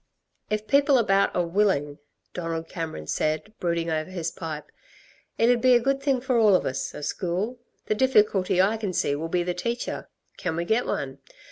"If people about are willing," Donald Cameron said, brooding over his pipe, "it'd be a good thing for all of us a school. The difficulty I can see will be the teacher. Can we get one?